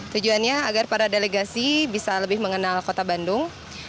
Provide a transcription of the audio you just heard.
tujuannya agar para delegasi bisa lebih mengenal kota bandung